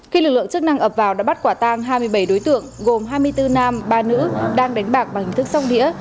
khi lực lượng chức năng ập vào đã bắt quả tang hai mươi bảy đối tượng gồm hai mươi bốn nam ba nữ đang đánh bạc bằng hình thức sóc đĩa